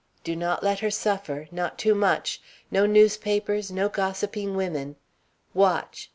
Do not let her suffer not too much. No newspapers, no gossiping women. Watch!